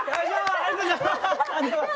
ありがとうございます！